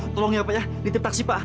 tolong ya pak ya ditip taksi pak